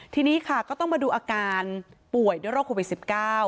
ทีนี้ค่ะก็ต้องมาดูอาการป่วยด้วยโรคโควิด๑๙